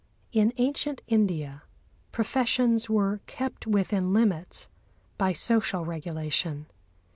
In ancient India professions were kept within limits by social regulation.